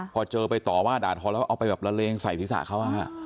พอเจอไปต่อว่าดาธรรมแล้วเอาไปแบบระเลงใส่ทิศาเข้ามา